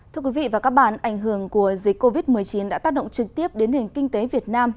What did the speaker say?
thưa quý vị và các bạn ảnh hưởng của dịch covid một mươi chín đã tác động trực tiếp đến nền kinh tế việt nam